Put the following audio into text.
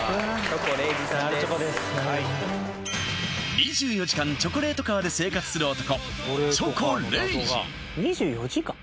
２４時間チョコレートカーで生活する男